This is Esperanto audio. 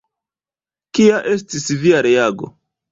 Kia estis via reago?